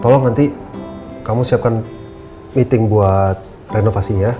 tolong nanti kamu siapkan meeting buat renovasinya